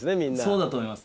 そうだと思います。